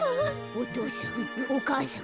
お父さんお母さん